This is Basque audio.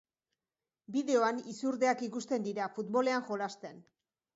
Bideoan, izurdeak ikusten dira, futbolean jolasten.